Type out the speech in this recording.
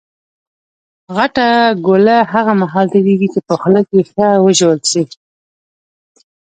غټه ګوله هغه مهال تېرېږي، چي په خوله کښي ښه وژول سي.